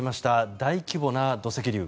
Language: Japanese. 大規模な土石流。